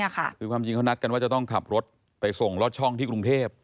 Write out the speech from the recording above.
คือความจริงเขานัดกันว่าจะต้องขับรถไปส่งลอดช่องที่กรุงเทพ